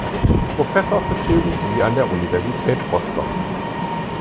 Professor für Theologie an der Universität Rostock.